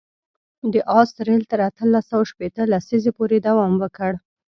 د آس رېل تر اتلس سوه شپېته لسیزې پورې دوام وکړ.